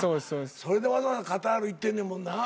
それでわざわざカタール行ってんねんもんな。